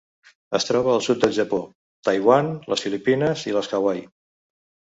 Es troba al sud del Japó, Taiwan, les Filipines i les Hawaii.